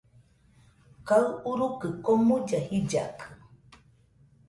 Kaɨ urukɨ komuilla jillakɨ